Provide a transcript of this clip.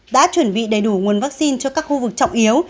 đã chuẩn bị đầy đủ nguồn vaccine cho các khu vực trọng yếu